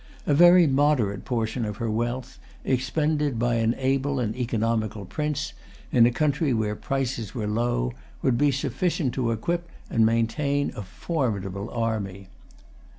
A very moderate portion of her wealth, expended by an able and economical prince, in a country where prices were low, would be sufficient to equip and maintain a formidable army.